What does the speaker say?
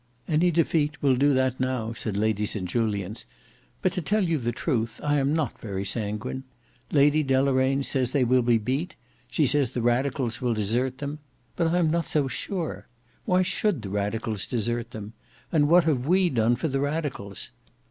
"Any defeat will do that now," said Lady St Julians, "but to tell you the truth I am not very sanguine. Lady Deloraine says they will be beat: she says the radicals will desert them; but I am not so sure. Why should the radicals desert them? And what have we done for the radicals?